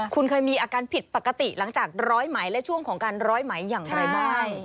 คุณเคยมีอาการผิดปกติหลังจากร้อยไหมและช่วงของการร้อยไหมอย่างไรบ้าง